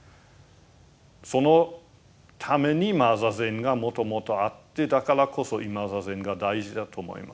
そのために坐禅がもともとあってだからこそ今坐禅が大事だと思いますね。